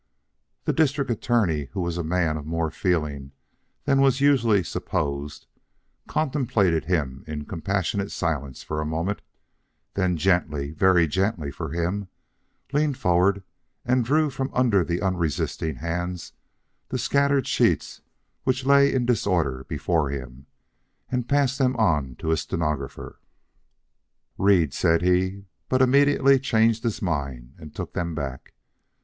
The District Attorney, who was a man of more feeling than was usually supposed, contemplated him in compassionate silence for a moment, then gently very gently for him leaned forward and drew from under the unresisting hands the scattered sheets which lay in disorder before him, and passed them on to his stenographer. "Read," said he; but immediately changed his mind and took them back.